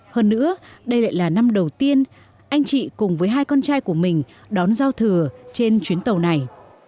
hơn nữa đây lại là năm đầu tiên anh chị cùng với hai con trai của mình đón giao thừa trên chuyến tàu này